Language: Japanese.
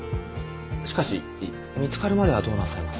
しかし見つかるまではどうなさいます。